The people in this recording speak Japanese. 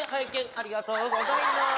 ありがとうございます